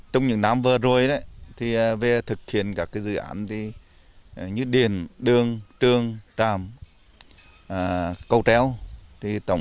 trong những năm vừa rồi thì về thực hiện các dự án như điền đường trường tràm câu tréo